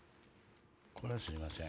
これすいません